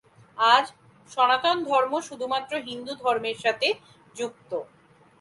আজ, সনাতন ধর্ম শুধুমাত্র হিন্দু ধর্মের সাথে যুক্ত।